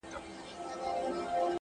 اختر نژدې دی!!